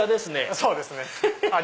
そうですね。